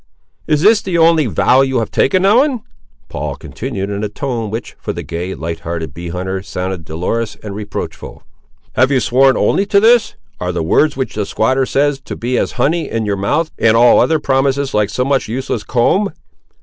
"Is this the only vow you have taken, Ellen?" Paul continued in a tone which, for the gay, light hearted bee hunter, sounded dolorous and reproachful. "Have you sworn only to this? are the words which the squatter says, to be as honey in your mouth, and all other promises like so much useless comb?"